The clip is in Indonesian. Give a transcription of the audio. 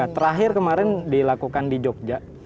terakhir kemarin dilakukan di jogja